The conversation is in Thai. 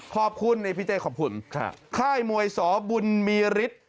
ขอบคุณเอเฮแพีเจงขอบคุณค่ะค่ายมวยสบรรมีริษฐ์